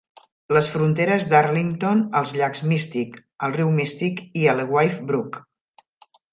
Les fronteres d'Arlington als llacs Mystic, el riu Mystic i Alewife Brook.